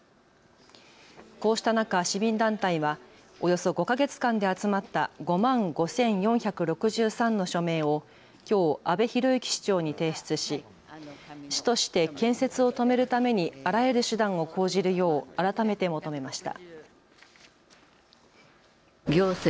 こうした中、市民団体はおよそ５か月間で集まった５万５４６３の署名をきょう阿部裕行市長に提出し市として建設を止めるためにあらゆる手段を講じるよう改めて求めました。